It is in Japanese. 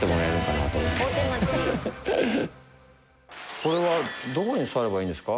これはどこに座ればいいんですか？